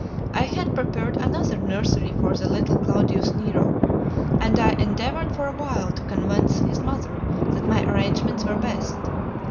I had prepared another nursery for the little Claudius Nero, and I endeavored for a while to convince his mother that my arrangements were best.